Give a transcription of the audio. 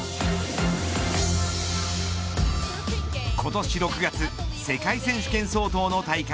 今年６月、世界選手権相当の大会